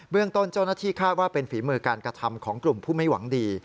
เรื่องต้นเจ้าหน้าที่คาดว่าเป็นฝีมือการกระทำของกลุ่มผู้ไม่หวังดี